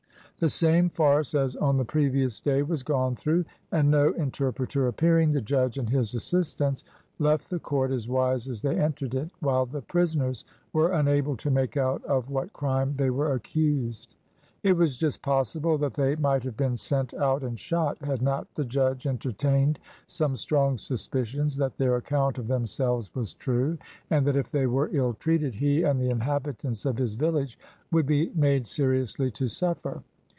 The same farce as on the previous day was gone through, and no interpreter appearing, the judge and his assistants left the court as wise as they entered it, while the prisoners were unable to make out of what crime they were accused. It was just possible that they might have been sent out and shot, had not the judge entertained some strong suspicions that their account of themselves was true, and that if they were ill treated, he and the inhabitants of his village would be made seriously to suffer.